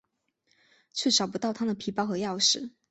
却找不到她的皮包和钥匙。